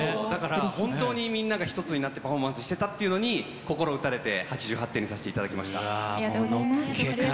だから本当に、みんながひとつになってパフォーマンスしてたっていうのに心を打たれて８８点にさせていただきました。